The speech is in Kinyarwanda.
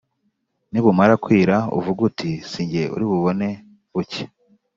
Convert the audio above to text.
nibumara kwira uvuge uti ‘si jye uri bubone bucya!,’